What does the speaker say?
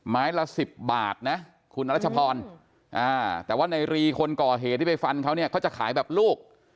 ไม้ละ๑๐บาทนะคุณรัชพรแต่ว่าในรีคนก่อเหตุที่ไปฟันเขาเนี่ยเขาจะขายแบบลูก